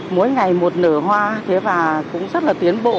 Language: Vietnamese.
mỗi ngày một nở hoa thế và cũng rất là tiến bộ